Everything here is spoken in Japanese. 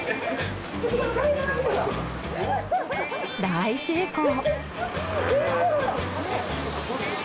大成功！